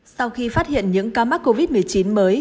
sau khi phát hiện những ca mắc covid một mươi chín mới